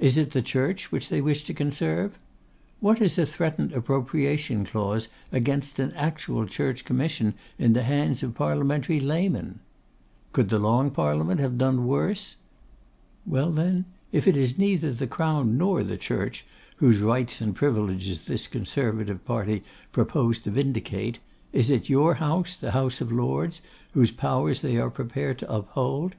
Is it the Church which they wish to conserve? What is a threatened Appropriation Clause against an actual Church Commission in the hands of Parliamentary Laymen? Could the Long Parliament have done worse? Well, then, if it is neither the Crown nor the Church, whose rights and privileges this Conservative party propose to vindicate, is it your House, the House of Lords, whose powers they are prepared to uphold?